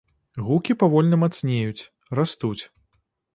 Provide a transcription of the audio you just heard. Гукі павольна мацнеюць, растуць.